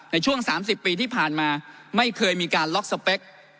ในช่วง๓๐ปีที่ผ่านมาไม่เคยมีการล็อกสเปค